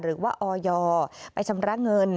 หรือว่าออยไปชำระเงิน